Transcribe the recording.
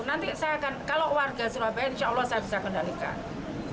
nanti saya akan kalau warga surabaya insya allah saya bisa kendalikan